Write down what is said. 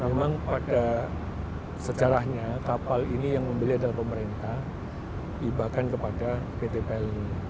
memang pada sejarahnya kapal ini yang membeli adalah pemerintah ibakan kepada pt pelni